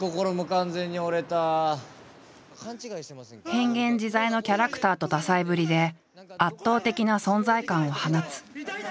変幻自在のキャラクターと多才ぶりで圧倒的な存在感を放つ。